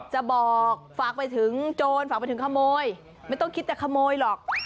จะบอกฝากไปถึงโจรฝากไปถึงขโมยไม่ต้องคิดจะขโมยหรอก